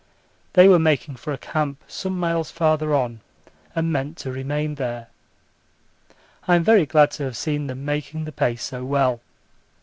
They were making for a camp some miles farther on, and meant to remain there. I'm very glad to have seen them making the pace so well.